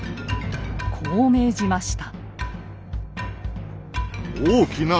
こう命じました。